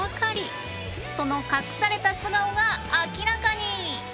その隠された素顔が明らかに！